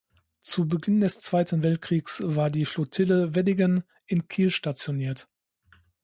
Zu Beginn des Zweiten Weltkriegs war die "Flottille Weddigen" in Kiel stationiert.